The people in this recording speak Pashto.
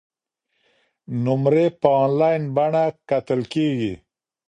نمرې په انلاین بڼه کتل کیږي.